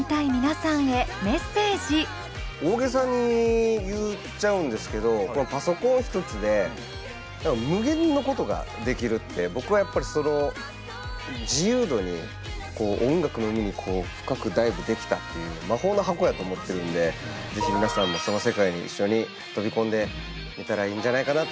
大げさに言っちゃうんですけどこのパソコン一つで無限のことができるって僕はやっぱりその自由度に音楽の海に深くダイブできたっていう魔法の箱やと思ってるんで是非皆さんもその世界に一緒に飛び込んでみたらいいんじゃないかなと思います。